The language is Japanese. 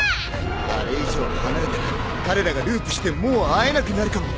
あれ以上離れたら彼らがループしてもう会えなくなるかも。